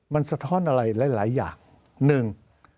มันสะท้อนอะไรหลายอย่างหนึ่ง